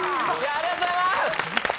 ありがとうございます！